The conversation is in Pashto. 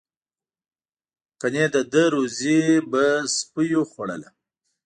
گني د ده روزي به سپیو خوړله.